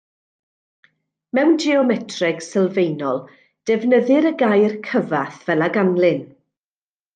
Mewn geometreg sylfaenol, defnyddir y gair cyfath fel a ganlyn.